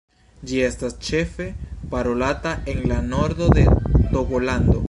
Ĝi estas ĉefe parolata en la nordo de Togolando.